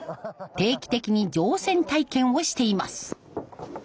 定期的に乗船体験をしています。